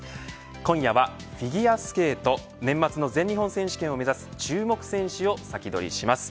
今夜はフィギュアスケート年末の全日本選手権を目指す注目選手を先取りします。